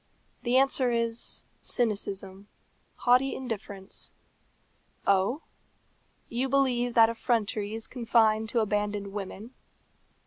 The answer is, cynicism haughty indifference. Oh! you believe that effrontery is confined to abandoned women?